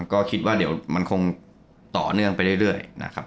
ก็คิดว่าเดี๋ยวมันคงต่อเนื่องไปเรื่อยนะครับ